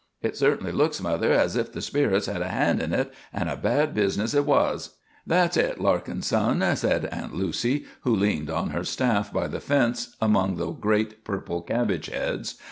Hit certainly looks, mother, as if the spirits had a hand in hit, an' a bad business hit was." "That's hit, Larkin, son," said Aunt Lucy, who leaned on her staff by the fence among the great purple cabbage heads.